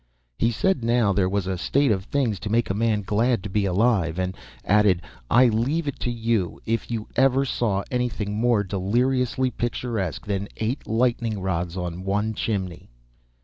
He said now there was a state of things to make a man glad to be alive; and added, "I leave it to you if you ever saw anything more deliriously picturesque than eight lightning rods on one chimney?"